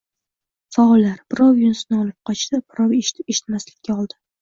Faollar... Birov yuzini olib qochdi. Birov eshitib-eshitmaslikka oldi.